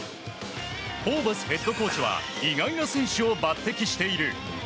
ホーバスヘッドコーチは意外な選手を抜擢している。